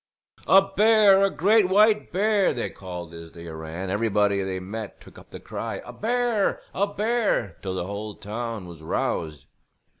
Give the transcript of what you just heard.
"A bear, a great white bear!" they called as they ran; and everybody they met took up the cry: "A bear, a bear!" till the whole town was roused.